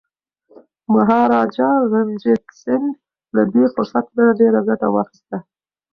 مهاراجا رنجیت سنګ له دې فرصت نه ډیره ګټه واخیسته.